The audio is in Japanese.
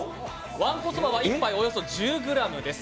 わんこそばは１杯およそ１０ｇです。